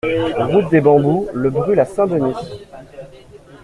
Route des Bambous - Le Brule à Saint-Denis